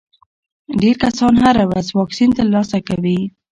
ډېر کسان هره ورځ واکسین ترلاسه کوي.